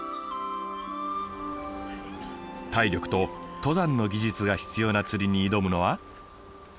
体力と登山の技術が必要な釣りに挑むのは。